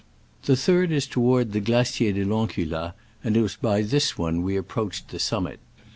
The third is toward the Glacier de I'Encula, and it was by this one we approached the summit.